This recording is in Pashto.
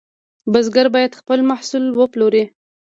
بزګر باید خپل محصول وپلوري.